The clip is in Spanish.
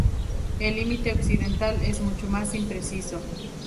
El límite occidental es mucho más impreciso.